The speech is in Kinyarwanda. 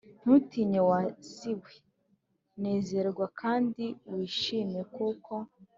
Ntutinye wa si we nezerwa kandi wishime kuko